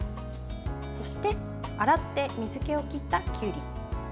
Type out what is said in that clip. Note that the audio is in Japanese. そして、洗って水けを切ったきゅうり。